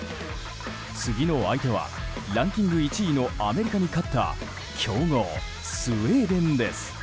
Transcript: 次の相手はランキング１位のアメリカに勝った強豪スウェーデンです。